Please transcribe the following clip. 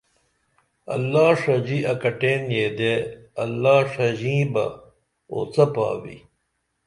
اللہ ݜژی اکٹین یدے اللہ ݜژیں بہ اوڅپا بی